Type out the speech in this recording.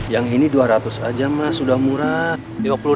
yang ini dua ratus aja mas sudah murah